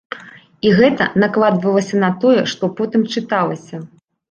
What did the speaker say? І гэта накладвалася на тое, што потым чыталася.